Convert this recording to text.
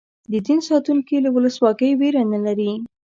د دین ساتونکي له ولسواکۍ وېره نه لري.